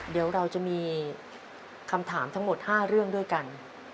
เดี๋ยวเราจะมีคำถามทั้งหมด๕เรื่องด้วยกัน